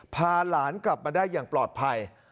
พาหลานกลับมาได้อย่างปลอดภัย